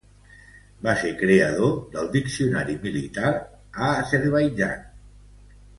Va ser creador del diccionari militar a Azerbaidjan.